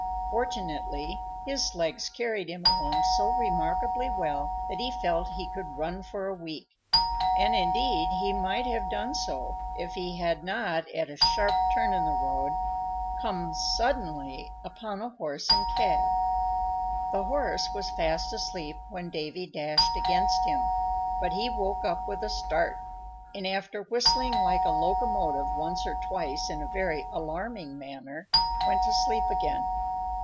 Fortunately his legs carried him along so remarkably well that he felt he could run for a week; and, indeed, he might have done so if he had not, at a sharp turn in the road, come suddenly upon a horse and cab. The horse was fast asleep when Davy dashed against him, but he woke up with a start, and, after whistling like a locomotive once or twice in a very alarming manner, went to sleep again.